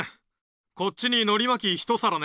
こっちにのりまきひと皿ね。